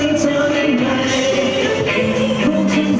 มีอะไรกูบอกเขาจัง